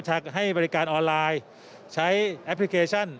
ให้บริการออนไลน์ใช้แอปพลิเคชัน